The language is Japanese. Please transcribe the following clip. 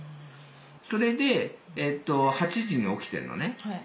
それで８時に起きてんのね。